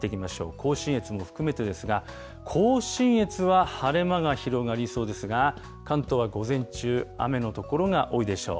甲信越も含めてですが、甲信越は晴れ間が広がりそうですが、関東は午前中、雨の所が多いでしょう。